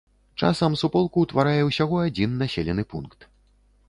Часам суполку ўтварае ўсяго адзін населены пункт.